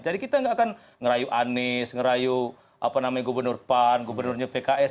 jadi kita nggak akan ngerayu anies ngerayu apa namanya gubernur pan gubernurnya pks